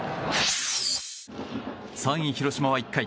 ３位、広島は１回。